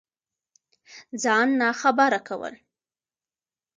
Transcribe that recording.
ځان ناخبره كول